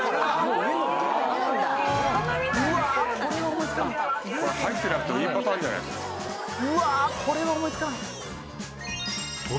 うわあこれは思いつかなかった。